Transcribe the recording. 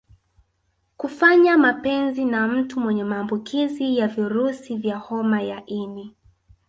Kufanya mapenzi na mtu mwenye maambukizi ya virusi vya homa ya ini